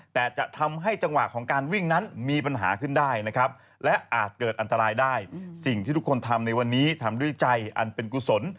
แต่จะทำให้จังหวะของการวิ่งนั้น